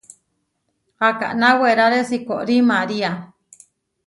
Akaná weraré sikorí María.